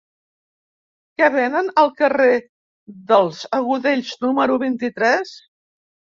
Què venen al carrer dels Agudells número vint-i-tres?